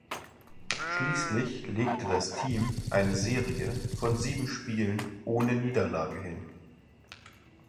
Schließlich legte das Team eine Serie von sieben Spielen ohne Niederlage hin.